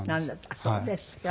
あっそうですか。